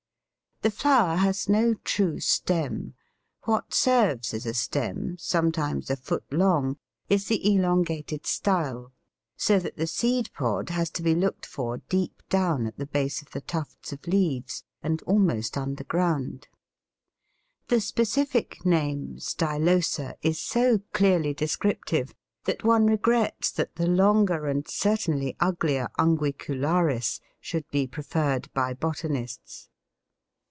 The flower has no true stem; what serves as a stem, sometimes a foot long, is the elongated style, so that the seed pod has to be looked for deep down at the base of the tufts of leaves, and almost under ground. The specific name, stylosa, is so clearly descriptive, that one regrets that the longer, and certainly uglier, unguicularis should be preferred by botanists.